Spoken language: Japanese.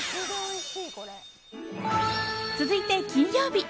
続いて、金曜日。